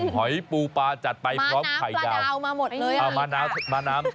หอยปูปลาจัดไปพร้อมไข่ดาวมาน้ำกระดาวมาหมดเลยอ่ะ